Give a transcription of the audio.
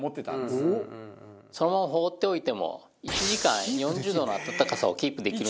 そのまま放っておいても１時間４０度の温かさをキープできるんですよ。